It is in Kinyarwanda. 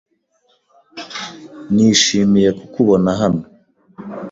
Nishimiye kukubona hano.